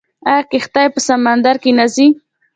آیا کښتۍ په سمندر کې نه ځي؟